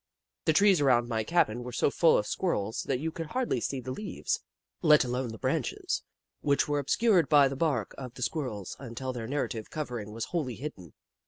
The trees around my cabin were so full of Squirrels that you could hardly see the leaves, let alone the branches, which were obscured by the bark of the Squirrels until their native covering was wholly hidden.